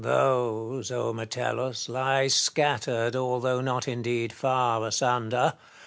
Those, O Metellus, lie scattered, although not indeed far asunder.